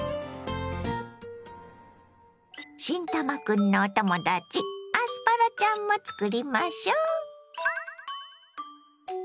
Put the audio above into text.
新たまクンのお友だちアスパラちゃんも作りましょ。